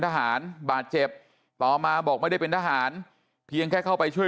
ทหารบาดเจ็บต่อมาบอกไม่ได้เป็นทหารเพียงแค่เข้าไปช่วย